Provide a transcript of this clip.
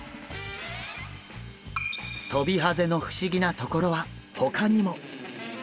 トビハゼの不思議なところはほかにも！